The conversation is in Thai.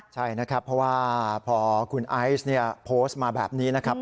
ใช่นะครับเพราะว่าพอคุณไอซ์โพสต์มาแบบนี้นะครับ